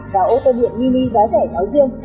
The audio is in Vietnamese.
và ô tô điện mini giá rẻ nói riêng